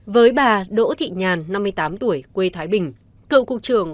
với bà đỗ thị nhàn năm mươi tám tuổi quê thái bình cựu cục trưởng